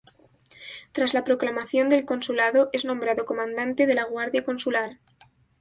Tras la proclamación del Consulado es nombrado comandante de la Guardia Consular.